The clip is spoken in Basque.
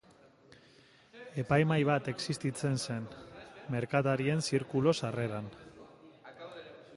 Epaimahai bat existitzen zen, Merkatarien Zirkulu sarreran.